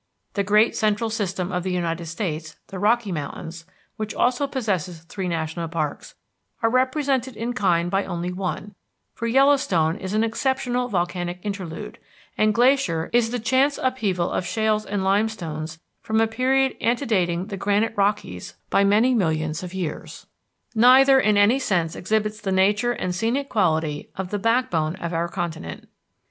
The great central system of the United States, the Rocky Mountains, which also possess three national parks, are represented in kind by only one, for Yellowstone is an exceptional volcanic interlude, and Glacier is the chance upheaval of shales and limestones from a period antedating the granite Rockies by many millions of years; neither in any sense exhibits the nature and scenic quality of the backbone of our continent.